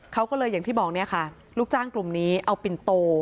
เขาก็เลยอย่างที่บอกเนี่ยค่ะลูกจ้างกลุ่มนี้เอาปินโต